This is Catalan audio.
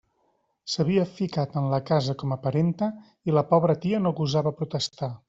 S'havia ficat en la casa com a parenta, i la pobra tia no gosava protestar.